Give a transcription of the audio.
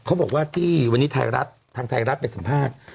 เขาบอกว่าที่วันนี้ไทยรัฐทางไทยรัฐไปสัมภาษณ์